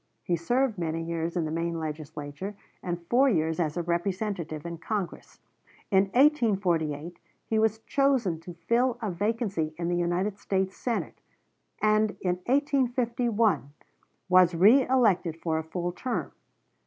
He served many years in the Maine Legislature and four years as a Representative in Congress. In 1848 he was chosen to fill a vacancy in the United States Senate, and in 1851 was reelected for a full term.